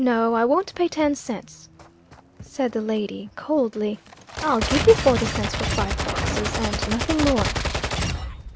"No, I won't pay ten cents," said the lady (?) coldly. "I'll give you forty cents for five boxes, and nothing more."